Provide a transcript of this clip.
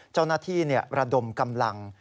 เจ้าหน้าที่ระดมกำลัง